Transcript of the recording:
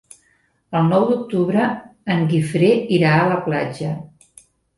El nou d'octubre en Guifré irà a la platja.